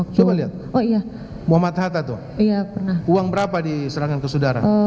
coba lihat muhammad hatta tuh uang berapa diserahkan ke saudara